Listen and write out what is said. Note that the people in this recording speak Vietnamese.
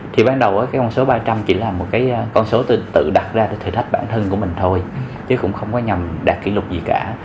thì ban đầu cái con số ba trăm linh chỉ là một cái con số tôi tự đặt ra cái thử thách bản thân của mình thôi chứ cũng không có nhằm đạt kỷ lục gì cả